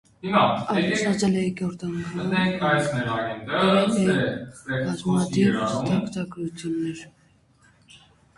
Ամուսնացել է երկրորդ անգամ, գրել է բազմաթիվ ստեղծագործություններ։